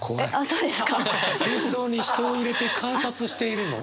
水槽に人を入れて観察しているの？